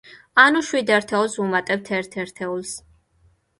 ანუ, შვიდ ერთეულს ვუმატებთ ერთ ერთეულს.